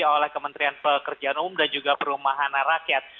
oleh kementerian pekerjaan umum dan juga perumahan rakyat